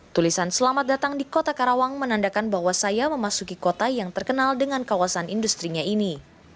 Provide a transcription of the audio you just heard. tulisan selamat datang di kota karawang menandakan bahwa saya memasuki kota yang terkenal dengan kawasan industri nya ini